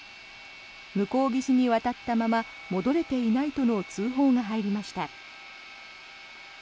向こう岸に渡ったまま戻れていないとの通報が入りました。